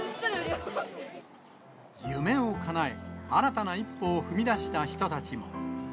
夢をかなえ、新たな一歩を踏み出した人たちも。